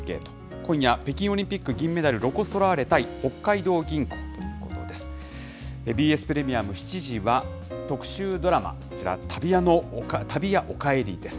今夜、北京オリンピック銀メダル、ロコ・ソラーレ対北海道銀行です。